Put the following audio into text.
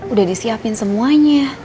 udah disiapin semuanya